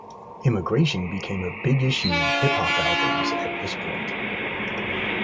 Immigration became a big issue in hip hop albums at this point.